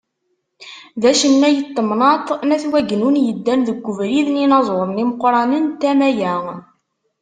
D acennay n temnaḍt n At Wagennun, yeddan deg ubrid n yinaẓuren imeqranen n tama-a.